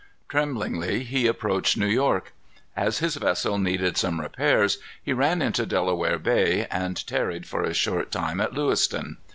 Tremblingly he approached New York. As his vessel needed some repairs, he ran into Delaware Bay, and tarried for a short time at Lewiston.